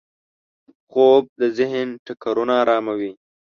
خوب د ذهن ټکرونه اراموي